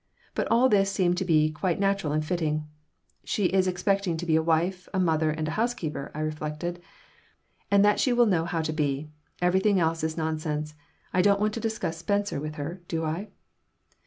But all this seemed to be quite natural and fitting. "She is expected to be a wife, a mother, and a housekeeper," I reflected, "and that she will know how to be. Everything else is nonsense. I don't want to discuss Spencer with her, do I?"